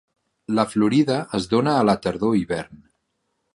La florida es dóna a la tardor-hivern.